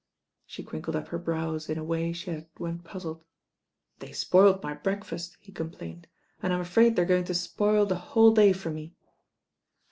She crinkled up her brows hi a way she had when puzzled. "They spoiled my breakfast," he complained, "and I'm afraid they're going to spoil the whole day for me."